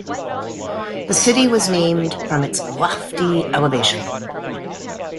The city was named from its lofty elevation.